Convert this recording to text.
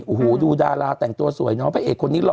โอ้โหดูดาราแต่งตัวสวยน้องพระเอกคนนี้หล